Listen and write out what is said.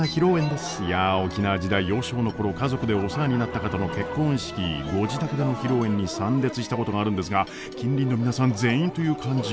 いや沖縄時代幼少の頃家族でお世話になった方の結婚式ご自宅での披露宴に参列したことがあるんですが近隣の皆さん全員という感じ。